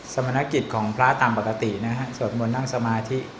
สมนติกิจของพระตามปกติสวรรค์บนท่านสมาธิ